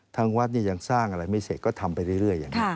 ทางวัดยังสร้างอะไรไม่เสร็จก็ทำไปเรื่อยอย่างนี้